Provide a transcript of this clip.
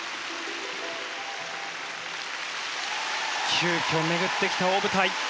急きょ巡ってきた大舞台。